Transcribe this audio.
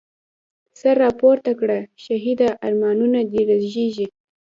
سر راپورته کړه شهیده، ارمانونه دي رژیږی